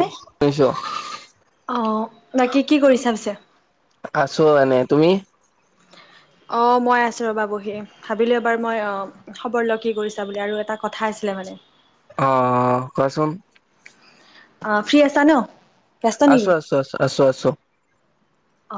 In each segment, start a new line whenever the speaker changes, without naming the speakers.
নে অ, বাকী কি কৰিছা পিছে।
আছো এনে তুমি?
অ, মই আছোঁ ৰ'বা বহি ভাবিলোঁ এবাৰ মই অ, খবৰ লগ কি কৰিছা বুলি আৰু এটা কথা আছিলে মানে।
অ, কোৱাচোন।
অ, ফ্ৰী আছা ন। ব্যস্ত
আছো
নেকি?
আছো আছো আছো আছো।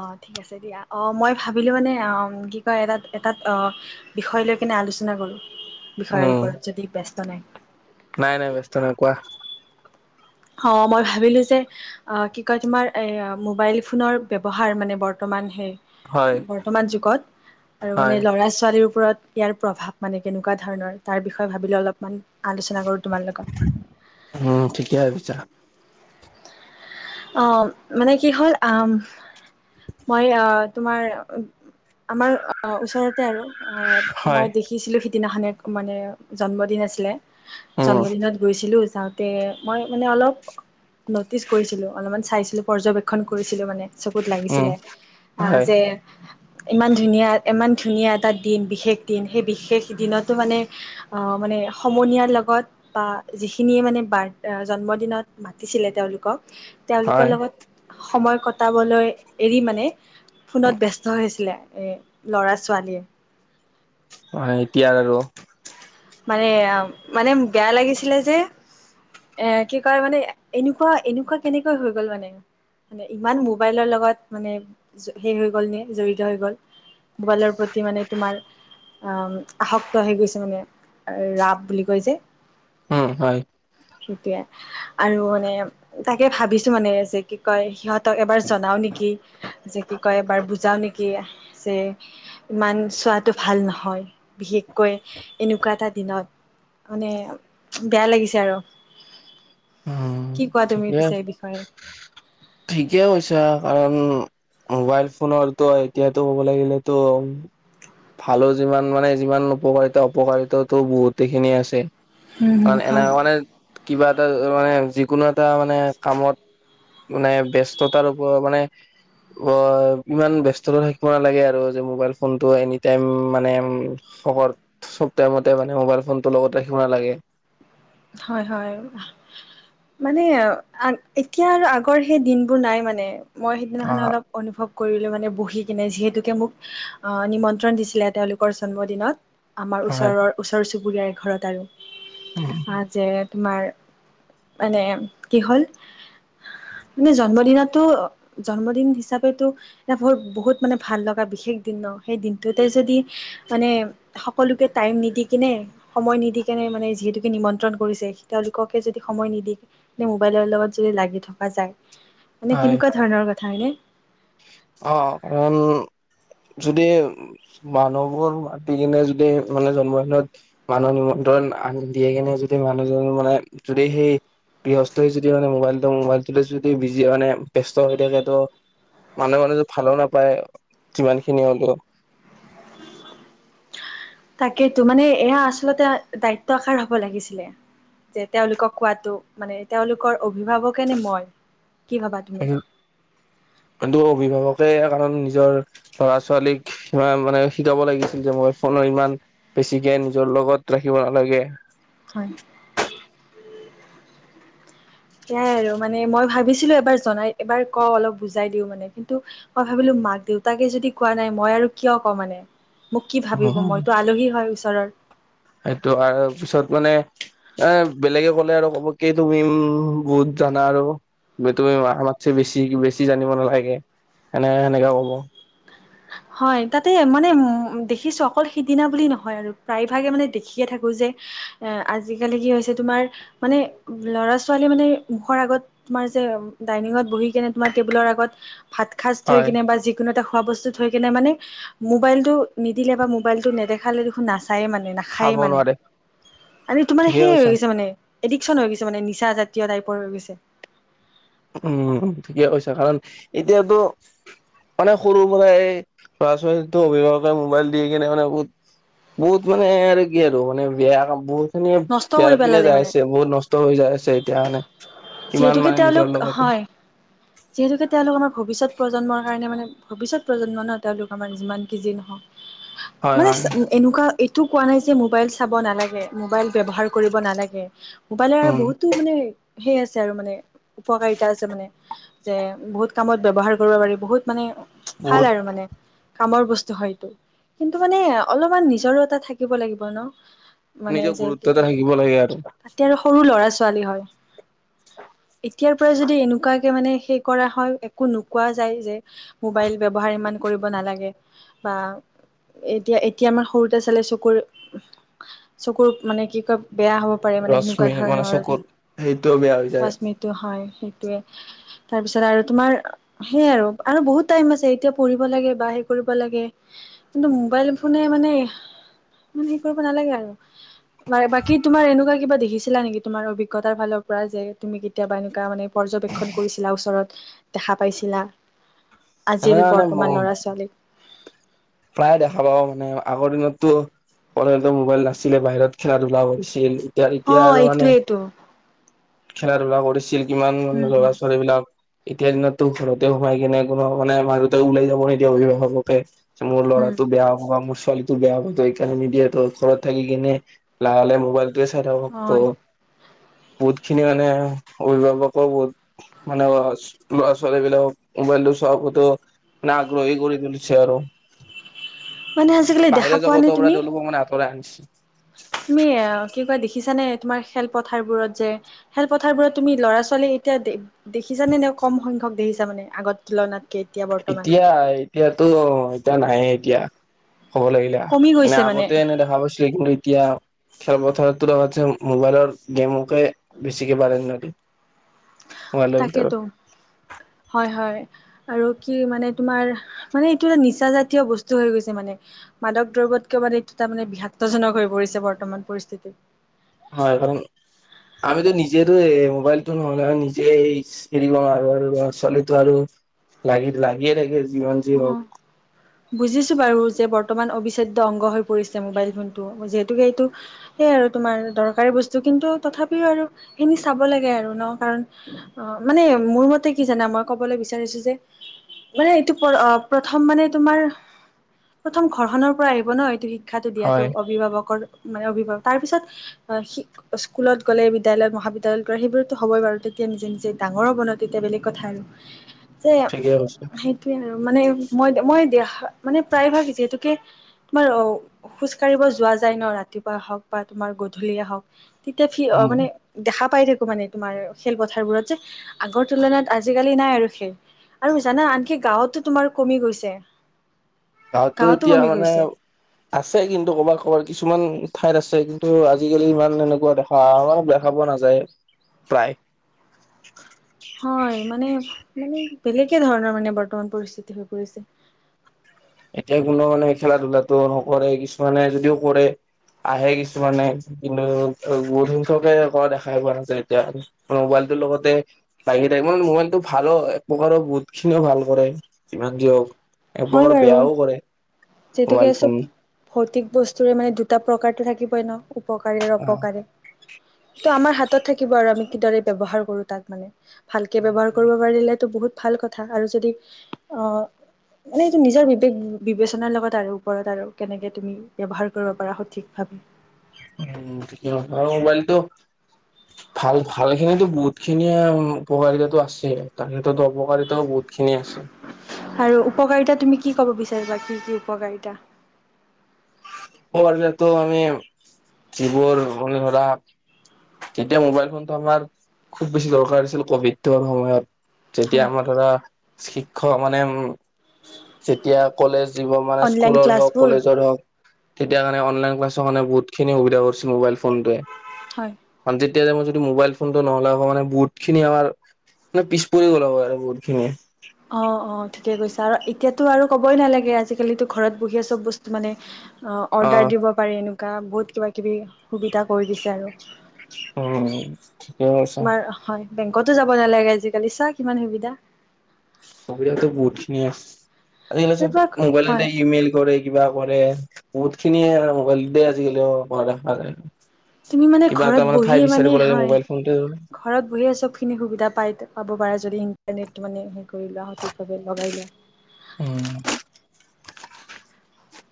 অ, ঠিক আছে দিয়া অ মই ভাবিলো মানে অ, কি কয় এটাত এটাত অ, বিষয় লৈ কেনে আলোচনা কৰোঁ বিষয়ৰ
উম
ওপৰত যদি ব্যস্ত নাই।
নাই নাই ব্যস্ত নাই কোৱা।
অ, মই ভাবিলোঁ যে। অ, কি কয় তোমাৰ এ মোবাইল ফোনৰ ব্যৱহাৰ মানে বৰ্তমান হে।
হয়
বৰ্তমান যুগত আৰু
হয়
মানে লৰা-ছোৱালীৰ ওপৰত। ইয়াৰ প্ৰভাৱ মানে কেনেকুৱা ধৰণৰ তাৰ বিষয়ে ভাবিলে অলপমান আলোচনা কৰোঁ তোমাৰ লগত।
উম, ঠিকে ভাবিছা।
অ, মানে কি হ'ল আহ। মই অ, তোমাৰ আমাৰ ওচৰত। ত, আৰু মই
হয়
দেখিছিলোঁ সিদিনাখনে মানে জন্মদিন আছিলে।
উম
জন্মদিনত গৈছিলো যাওঁতে মই মানে অলপ নটিচ কৰিছিলো। চাইছিলো পৰ্যবেক্ষন কৰিছিলো মানে চকুত
উম
লাগিছিলে, আহ
হয়
যে। ইমান ধুনীয়া ইমান ধুনীয়া এটা দিন বিশেষ দিন সেই বিশেষ দিনতো মানে। আহ মানে সমনীয়াৰ লগত বা যিখিনিয়ে মানে বাৰ জন্ম দিনত। মাতিছিলে তেওঁলোকক
হয়
তেওঁলোকৰ লগত সময় কটাবলৈ এৰি মানে। ফোনত ব্যস্ত হৈছিলে এই ল'ৰা ছোৱালীয়ে।
হয়, এতিয়া আৰু।
মানে, মানে বেয়া লাগিছিলে যে। এ, কি কয় মানে এনেকুৱা এনেকুৱা কেনেকৈ হৈ গ'ল মানে। মানে ইমান মোবাইলৰ লগত মানে, সে হৈ গ'ল নে জড়িত হৈ গ'ল। মোবাইলৰ প্ৰতি মানে তোমাৰ অ, আসক্ত হৈ গৈছে মানে। ৰাপ বুলি কৈ যে।
উম, হয়।
সেইটোয়ে আৰু মানে তাকে ভাবিছো মানে যে কি কয় সিহঁত। তক, এবাৰ জনাও নেকি যে কি কয় এবাৰ বুজাওঁ নেকি। কি, ইমান চোৱাটো ভাল নহয় বিশেষকৈ এনেক। ককা এটা দিনত মানে বেয়া লাগিছে আৰু।
উম
কি কোৱা তুমি পিছো এই বিষয়ে?
ঠিকেই হৈছে কাৰণ। মোবাইল ফোনৰতো এতিয়াতো ক'ব লাগিলেতো। ভালো যিমান মানে যিমান উপকাৰিতা অপকাৰিতাতো বহুতেই খিনি আছে।
উম, হুম,
কাৰ এনে
হয়।
মানে কিবা এটা মানে যিকোনো এটা মানে কামত। মানে ব্যস্ততাৰ ওপৰত মানে। অ ইমান বস্ততা থাকিব নালাগে আৰু যে মোবাইল ফোনটো এনি টাইম মানে। শ চব টাইমতে মানে মোবাইল ফোন টো লগত ৰাখিব নালাগে।
হয়, হয়। মানে এতিয়া আৰু আগৰ সেই দিনবোৰ নাই মানে মই
অ
সেইদিনাখনে অলপ। অনুভৱ কৰিলে মানে বহি কিনে যিহেতুকে মোক। আহ নিমন্ত্ৰণ দিছিলে তেওঁলোকৰ জন্মদিনত। আমাৰ
হয়
ওচৰৰ ওচৰ চুবুৰীয়াৰ ঘৰত আৰু।
[unintelligible]
যে তোমাৰ মানে কি হল। মানে জন্মদিনতো জন্মদিন হিচাপোটো। এটা ব বহুত মানে ভাল লগা বিশেষ দিন ন সেই দিনটোতে যদি। মানে সকলোকে টাইম নিদি কিনে সময় নিদিকনে মানে যিহেতুকে নিমন্ত্ৰ। কৰিছে তেওঁলোককে যদি সময় নিদি মোবাইলৰ লগত যদি লাগি থকা যায়। মানে
হয়
কেনেকুৱা ধৰণৰ কথা হয় নে।
অ কাৰণ যদি। মানুহবোৰ মাতি কিনে যদি মানে জন্মদিনত। মানুহৰ নিমন্ত্ৰণ আনি দিয়ে কেনে যদি মানুহজন মানে যদি সেই। গৃহস্থ হৈ যদি মানে মোবাইলটো মোবাইলটোতে যদি বিজি মানে ব্যস্ত হৈ থাকে ত। মানুহ মানুহ য ভালো নাপায় যিমান খিনি হলেও।
তাকেইো মানে এয়া আচলতে দায়িত্ব আকাৰ হব লাগিছিলে। যে তেওঁলোকক কোৱাাতটো মানে তেওঁলোকৰ অভিভাৱকে নে মই কি ভাবা তুমি?
কিন্তু অভিভাৱকে কাৰণ নিজৰ। ল'ৰা ছোৱালীক ধৰা সমান মানে শিকাব লাগিছিল যে মই ফোনৰ ইমান। বেছিকে নিজৰ লগত ৰাখিব নালাগে
হয় সয়াই আৰু মানে মই ভাবিছিলো এবাৰ জনাই এবাৰ ক অলপ বুজাই দিওঁ মানে কিন্তু মই ভাবিলো মাক দেউতাকে যদি কোৱা নাই মই আৰু কিয় কওঁ মানে মোক কি ভাবিব মইতো আলহী হয় ওচৰৰ
সেইটো আৰু পিছত মানে এ বেলেগে ক'লে আৰু ক'ব কি তুমি বহুত জানা আৰু তু ম মাতছে বেছি বেছি জানিব নালাগে সেনে সেনেকাও ক'ব
হয় তাতে মানে দেখিছোঁ অকল সিদিনা বুলি নহয় আৰু প্ৰায়ভাগে মানে দেখিয়ে থাকোঁ যে এ আজিকালি কি হৈছে তোমাৰ মানে ল'ৰা ছোৱালী মানে মুখৰ আগত তুমাৰ যে ডাইনিঙত বহি কিনে তোমাৰ টেবুলৰ আগত ভাত সাজ থৈ
হয়
কিনে বা যিকোনো এটা খোৱা বস্তু থৈ কেনে মানে মোবাইলতটো নিদিলে বা মোবাইলতটো নেদেখালে দেখোন নচায়ে মানে না
খাব
খায় মানে
নোৱাৰে
আ তো মানে
ঠিকে
সেইয় হৈ
কৈছা
গৈছে মানে এডিকশন হৈ গৈছে মানে নিচা জাতীয় টাইপৰ হৈ গৈছে
উম ঠিকে কৈছা কাৰণ এতিয়াতো মানে সৰুৰ পৰাই এই ল'ৰা ছোৱালী অভিভাৱকে মোবাইল দি কিনে মানে বহুত বহুত মানে আৰু কি আৰু মানে বেয়া কাম বহুত এনেে
নষ্ট
বেয়া
কৰি
পিনে
পেলালে
যাই
মানে
আছে বহুত নষ্ট হৈ যাই আছে এতিয়া মানে কিমান
যিহেতুকে
মানে নিজৰ
তেওঁলোক
লগতে
হয় যিহেতুকে তেওঁলোক আমাৰ ভৱিষ্যত প্ৰজন্মৰ কাৰণে মানে ভৱিষ্যত প্ৰজন্ম ন তেওঁলোক আমাৰ যিমান কি যি নহওক
হয়
মানে
হয়
এনেকুৱা এইটো কোৱা নাই যে মোবাইল চাব নালাগে। মোবাইল ব্যৱহাৰ কৰিব নালাগে। মোবাইল আৰু
উম
বহুতো মানে সেই আছে আছে আৰু মানে উপকাৰিতা আছে মানে, যে বহুত কামত ব্যৱহাৰ কৰিব পাৰি বহুত মানে। ভাল
বহুত
আৰু মানে। কামৰ বস্তু হয়তটো। কিন্তু মানে অলপমান নিজৰো এটা থাকিব লাগিব ন। মানে
নিজৰ
যে
গুৰুত্ব
কি
এটা থাকিব লাগে আৰু
তাতে আৰু সৰু ল'ৰা ছোৱালী হয়। এতিয়াৰ পৰাই যদি এনেকুৱাকে মানে সেই কৰা হয়। একো নোকোৱা যায় যে। মোবাইল ব্যৱহাৰ ইমান। কৰিব নালাগে বা এতিয়া, এতিয়া আমাৰ সৰুতে চালে চকুৰ চকুৰ মানে কি কয় বেয়া হ'ব পাৰে মানে সেনেকুৱা
ৰশ্মি মানে
ধৰণৰ।
চকুত সেইটোও বেয়া হৈ যায়।
ৱাচমিটো হয়, সেইটোয়ে তাৰপিছত আৰু তোমাৰ হেইয়ে আৰু বহুত টাইম আছে। এতিয়া পঢ়িব লাগে বা হেই কৰিব লাগে। কিন্তু, মোবাইল ফোনে মানে মানে হে কৰিব নালাগে আৰু। বাকী তোমাৰ এনেকুৱা কিবা দেখিছিলা নেকি তোমাৰ অভিজ্ঞতাৰ ফালৰ পৰা যে। তুমি কেতিয়াবা এনেকুৱা মানে পৰ্যবেক্ষণ কৰিছিলা, ওচৰত দেখা পাইছিলা। আজিৰ
এনেকা মানে
বৰ্তমান ল'ৰা ছোৱালীক।
প্ৰায়ে দেখা পাওঁ মানে আগৰ দিনততো পঢ়াতো মোবাইল নাছিলে বাহিৰত খেলা ধূলা হৈছিল এতিয়া
অ
এতিয়া আৰু মানে
এইটোয়েইটো
খেলা ধূলা কৰিছিল, কিমান
উম
ল'ৰা
হম
ছোৱালী বিলাক। এতিয়া দিনততো ঘৰতে সোমাই কিনে কোনো মানে মা দেউতাই ওলাই যাব নিদিয়ে, অভিভাৱকে। যে মোৰ
হম
ল'ৰাটো বেয়া হ'ব বা মোৰ ছোৱালী বেয়া হব এইকাৰণে নিদিয়ে তো ঘৰৰত থাকি কেনে লাহে লাহে মোবাইলটোৱে চাই থাকক তো।
হয়
বহুত খিনি মানে অভিভাৱকো বহুত মানে অ' ল'ৰা ছোৱালী বিলাক মোবাইলটো চোবতেও। ন আগ্ৰহ কৰি দিলছে আৰু
মানে আজিকালি দেখা পোৱা নে তুমি।
তোৰ মানে আতৰাই আনিছে।
তুমি অ' কি বা দেখিছানে এডমাৰৰ খেলপথাৰবোৰত যে। খেলপথাৰবোৰত তুমি ল'ৰা ছোৱালী এতিয়া দে -দেখিছানে নে কম সংখ্যক দেখিছা মানে আগত খিলানাত কেতিয়াবা ব
এতিয়া, এতিয়াতো এতিয়া নাইে এতিয়া, ক'ব লাগিলে। আহ,
কমি
মানে
গৈছে
আগতে এনে দেখা পাইছো কিন্তু এতিয়া। খেলপথাৰ তুলনাতছে মোবাইলৰ গেমকে বেছিকে প্ৰাধান্য দিয়ে। মোবাইলৰ ভিতৰত
তাকেতো হয়, হয়। আৰু কি মানে তোমাৰ মানে এইটো এটা নিচা জাতীয় বস্তু হৈ গৈছে মানে। মাদক দ্ৰব্যত কিয় মান এইটো তাৰ মানে বিষাক্তজনক হৈ পৰিছে বৰ্তমান পৰিস্থিতিত।
হয় কাৰণ আমিতো নিজেটো মোবাইলটো নহলে নিজে এৰিব নোৱাৰো আৰু চলিতো আৰু লাগি লাগিয়ে লাগে জীমান
অহ' বুজিছো বাৰু যে বৰ্তমান অবিচ্ছেদ্য অংগ হৈ পৰিছে মোবাইল ফোনটো যিহেতুকে এইটো সেয়াই আৰু তোমাৰ দৰকাৰী বস্তু কিন্তু তথাপিও আৰু সেইখিনি চাব লাগে আৰু ন কাৰণ অহ মানে মোৰ মতে কি জানা মই কবলৈ বিচাৰিছো যে মানে এইটো প্ৰথম মানে তোমাৰ প্ৰথম ঘৰখনৰ পৰা আহিব ন এইটো শিক্ষা শিক্ষাটো দিয়াটো
হয়
অভিভাৱকৰ মানে অভিভাৱক তাৰ পিছত সি স্কুলত গ'লে বিদ্যালয়ত মহাবিদ্যালয়ত গলে সেইবোৰতো হব'ই বাৰো তেতিয়া নিজে নিজে ডাঙৰ হ'ব ন তেতিয়া বেলেগ কথা আৰু যে
ঠিকে কৈছে
সেইটো মানে মই মই দেখা মানে প্ৰায়ভাগ যিহেতুকে তোমাৰ অ', খোজ কঢ়িব যোৱা যায় ন, ৰাতিপুৱাই হওঁক বা তোমাৰ গধূলিয়েই হওঁক। তেতিয়া ফি
উম
অ', মানে দেখা পাই থাকোঁ মানে তোমাৰ খেলপথাৰবোৰত যে, আগৰ তুলনাত আজিকালি নাই আৰু খেল। আৰু জানা আনকি গাঁৱতো তোমাৰ কমি গৈছে।
তাত তো
গাঁৱতো
এতিয়া
কমি
মানে
গৈছে
আছে কিন্তু ক'বাত, ক'বাত কিছুমান ঠাইত আছে, কিন্তু আজিকালি ইমান এনেকুৱা দেখা অ', মানে বিয়া খাব নাযায় প্ৰায়।
হয় মানে মানে বেলেগে ধৰণৰ মানে বৰ্তমান পৰিস্থিতি হৈ পৰিছে।
এতিয়া কোনো মানে খেলা ধূলাটো নকৰে, কিছুমানে যদিও কৰে আহে কিছুমানে, কিন্তু বহুত সংখ্যকে অ', দেখাই পোৱা নাযায় এতিয়া। অ', মোবাইলটোৰ লগতে বা সেই টাইমত মোবাইলটো ভালো এক প্ৰকাৰৰ বহুত খিনিও ভাল কৰে যিমান যি হওঁক। এক
হয়
প্ৰকাৰ
বাৰু
বেয়াও কৰে,
যিহেতুকে
মোবাইল
চব
ফোন
ভৌতিক বস্তুৰে মানে দুটা প্ৰকাৰটো থাকিবই ন, উপকাৰী আৰু
আহ
অপকাৰী। তো আমাৰ হাতত থাকিব আৰু আমি কিদৰে ব্যৱহাৰ কৰোঁ তাত মানে। ভালকৈ ব্যৱহাৰ কৰিব পাৰিলেতো বহুত ভাল কথা আৰু যদি অ' মানে এইটো নিজৰ বিবেক বিবেচনাৰ লগত আৰু ওপৰত আৰু কেনেকে তুমি ব্যৱহাৰ কৰিব পাৰা সঠিক ভাৱে।
উম, [unintelligible] আৰু মোবাইলটো।
[inaudible]
ভাল, ভালখিনিতো বহুতখিনিয়ে উপকাৰিতাতো আছে আৰু তাৰ ক্ষেত্ৰত অপকাৰিতাও বহুতখিনি আছে।
আৰু উপকাৰিতা তুমি কি ক'ব বিচাৰিবা? কি, কি উপকাৰিতা?
উপকাৰিতাতো মানে আমি এইবোৰ মানে ধৰা যেতিয়া মোবাইল ফোনটো আমাৰ খুব বেছি দৰকাৰ হৈছিল, কভি'ডৰ সময়ত যেতিয়া
হয়
আমাৰ ধৰা শিক্ষক মানে উম যেতিয়া কলেজ দিব মানে
অনলাইন
স্কুলৰ হওঁক
ক্লাছবোৰ
কলেজৰ হওঁক তেতিয়া কাৰণে অনলাইন ক্লাছৰ কাৰণে বহুতখিনি সুবিধা কৰিছিল মোবাইল ফোনটোৱে।
হয়।
তেতিয়া টাইমত যদি মোবাইল ফোনটো নহ'লে আকৌ মানে বহুতখিনি আমাৰ মানে পিছ পৰি গল [unintelligible] আৰু বহুতখিনি।
অ', অ', ঠিকে কৈছা আৰু এতিয়াতো আৰু ক'বই নালাগে, আজিকালিতো ঘৰত বহিয়ে চব বস্তু মানে
অ
অৰ্ডাৰ দিব পাৰে এনেকুৱা বহুত কিবা কিবি সুবিধা কৰি দিছে আৰু
উম। ঠিকে কৈছা
তোমাৰ হয়, বেংকতো যাব নালাগে, আজিকালি চা কিমান সুবিধা।
কম্পিউটাৰটো বুহুতখিনি আ, আ আজিকালি চ'ব
সেইবিলাক
মোবাইলেট
হয়।
ইমেইল কৰে। কিবা কৰে বহুত খিনিয়ে মোবাইলতে আজিকালিও দেখা যায়।
তুমি মানে
কিবা
ঘৰত
এটা মানে
বহিয়ে
ঠাই বিচাৰিব লাগে
হয়।
Mobile phone.
ঘৰত বহিয়ে চবখিনি সুবিধা পাই পাব পাৰে। যদি ইণ্টাৰনেট মানে হে কৰি লোৱা সঠিকভাৱে লগাই লোৱা
উম।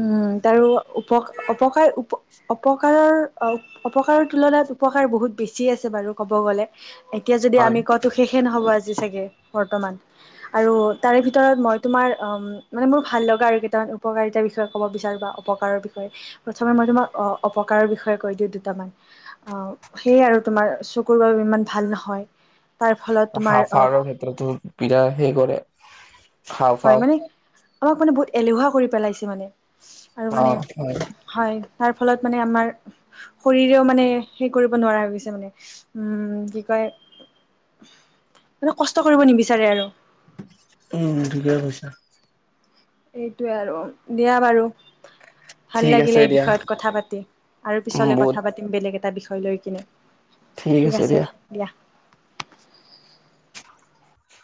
উম, তাৰো উপকাৰ উপপকাৰ উপ অপকাৰৰ অ অপকাৰৰ তুলনাত উপকাৰ বহুত বেছি আছে বাৰু কব গ'লে এতিয়া যদি
হয়
আমি কো শেষে নহ'ব আজি চাগে বৰ্তমান। আৰু তাৰে ভিতৰত মই তোমাৰ মানে মোৰ ভাল লগা আৰু কেইটামান উপকাৰিতা বিষয়ে বিষয়ে ক'ব বিচাৰো বা অপকাৰৰ বিষয়ে প্ৰথমে মই তোমাক অপকাৰৰ বিষয়ে কৈ দিওঁ দুটামান। আহ সেইয়ে আৰু তোমাৰ চকুৰ বাবে ইমান ভাল নহয়। তাৰ ফলত তোমাৰ
হাওফাৰ ক্ষেত্ৰতো বিৰা হেই কৰে।
হয়
হাওঁফাওঁ
মানে, আমাক মানে বহুত এলেহুৱা কৰি পেলাইছে মানে আৰু
অ
মানে।
হয়
হয়, তাৰ ফলত মানে আমাৰ। শৰীৰেও মানে হে কৰিব নোৱাৰা হৈ গৈছে মানে, উম, কি কয় মানে কষ্ট কৰিব নিবিচাৰে আৰু
উম, ঠিকে কৈছা।
এইটোৱে আৰু, দিয়া বাৰু। ভাল
ঠিক আছে
লাগিলে এই
দিয়া
বিষয়ত কথা পাতি আৰু পিছলে
বহুত
কথা পাতি বেলেগ এটা বিষয় লৈ কিনে, ঠিক আছে দিয়া।